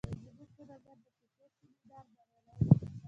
زموږ په نظر د کوټې سیمینار بریالی و.